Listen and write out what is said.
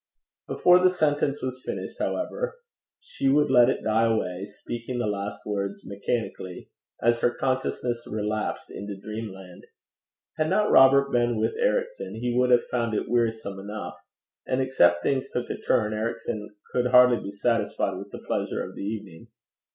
Before the sentence was finished, however, she would let it die away, speaking the last words mechanically, as her consciousness relapsed into dreamland. Had not Robert been with Ericson, he would have found it wearisome enough; and except things took a turn, Ericson could hardly be satisfied with the pleasure of the evening.